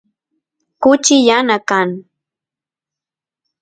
kuchi yana kan